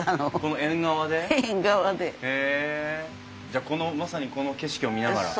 じゃあこのまさにこの景色を見ながら。